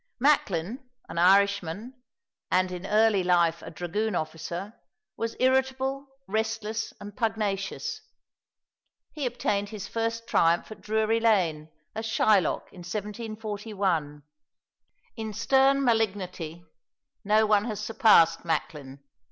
Macklin, an Irishman, and in early life a Dragoon officer, was irritable, restless, and pugnacious; he obtained his first triumph at Drury Lane, as Shylock in 1741. In stern malignity, no one has surpassed Macklin.